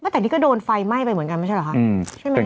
แต่นี่ก็โดนไฟไหม้ไปเหมือนกันไม่ใช่เหรอคะใช่ไหม